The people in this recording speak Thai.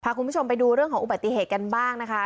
คุณผู้ชมไปดูเรื่องของอุบัติเหตุกันบ้างนะคะ